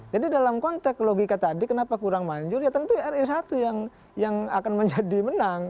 jadi dalam konteks logika tadi kenapa kurang manjur ya tentu ri satu yang akan menjadi menang